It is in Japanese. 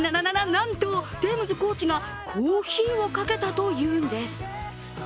なんと、テームズコーチがコーヒーをかけたというんです。